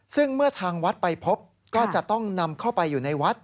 ซึ่งเมื่อทางวัดไปพบก็จะต้องนำเข้าไปอยู่ในวัด